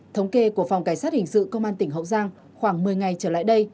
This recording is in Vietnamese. thống kê của phòng cảnh sát hình sự công an tỉnh hậu giang khoảng một mươi ngày trở lại đây